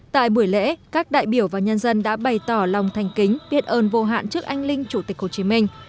tại buổi lễ các đại biểu và nhân dân đã bày tỏ lòng thành kính biết ơn vô hạn trước anh linh chủ tịch hồ chí minh